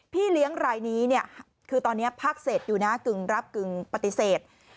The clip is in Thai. พี่เลี้ยงรายนี้เนี่ยคือตอนนี้ภาคเศษอยู่นะกึ่งรับกึ่งปฏิเสธ